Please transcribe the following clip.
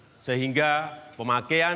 atau beberapa cuma bagian